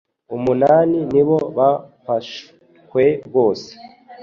umunani nibo ba fashkwe rwose